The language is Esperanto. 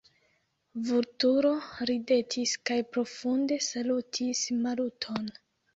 Vulturo ridetis kaj profunde salutis Maluton.